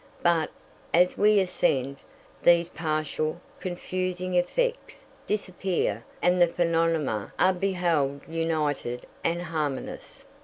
But, as we ascend, these partial, confusing effects disappear and the phenomena are beheld united and harmonious.